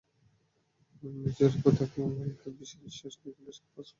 ম্যাচজুড়েই প্রতি–আক্রমণে ভয়ংকর রিয়াল শেষ দিকে বেশ কিছু ক্রস ফেলেছে বার্সার বক্সে।